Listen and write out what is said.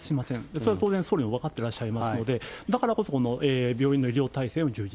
それは当然総理も分かってらっしゃいますので、だからこそ、病院の医療体制の充実。